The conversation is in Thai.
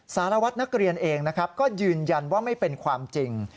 สารวัตรนักเรียนเองนะครับก็ยืนยันว่าไม่เป็นความจริง